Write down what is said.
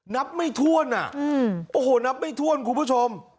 นับไม่ถ้วนอ่ะโอ้โหนับไม่ถ้วนคุณผู้ชม